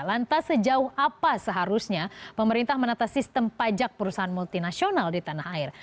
lantas sejauh apa seharusnya pemerintah menata sistem pajak perusahaan multinasional di tanah air